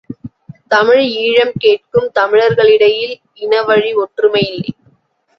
தமிழ் ஈழம் கேட்கும் தமிழர்களிடையில் இனவழி ஒற்றுமை இல்லை.